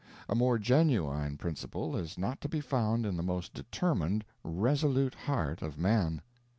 A more genuine principle is not to be found in the most determined, resolute heart of man.